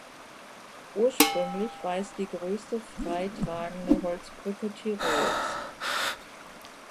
Ursprünglich war es die größte freitragende Holzbrücke Tirols.